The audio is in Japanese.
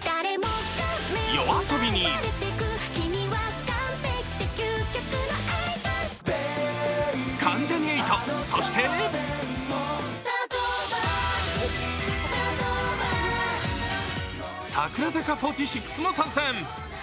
ＹＯＡＳＯＢＩに関ジャニ∞、そして櫻坂４６も参戦。